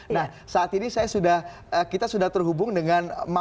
nah saat ini saya sudah kita sudah terhubung dengan mamat imanullah